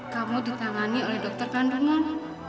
kamu ditangani oleh dokter kandungan